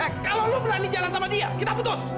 eh kalau lo berani jalan sama dia kita putus